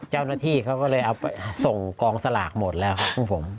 เจ้าหน้าที่เขาก็เลยเอาไปส่งกองสลากหมดแล้วครับของผม